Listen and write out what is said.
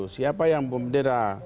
siapa yang pemberdera